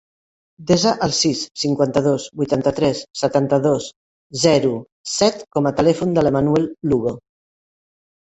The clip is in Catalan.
Desa el sis, cinquanta-dos, vuitanta-tres, setanta-dos, zero, set com a telèfon de l'Emanuel Lugo.